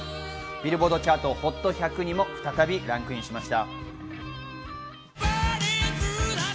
ビルボードチャートＨＯＴ１００にも再びランクインしました。